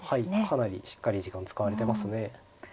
かなりしっかり時間使われてますね。